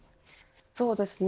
そうですね。